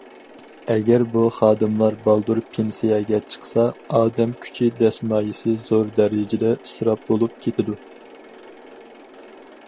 ئەگەر بۇ خادىملار بالدۇر پېنسىيەگە چىقسا، ئادەم كۈچى دەسمايىسى زور دەرىجىدە ئىسراپ بولۇپ كېتىدۇ.